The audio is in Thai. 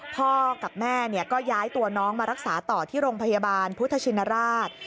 พ่อกับแม่ก็ย้ายตัวน้องมารักษาต่อที่โรงพยาบาลพุทธชินราช